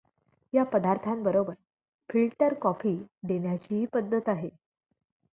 या पदार्थांबरोबर filter coffee देण्याचीही पद्धत आहे.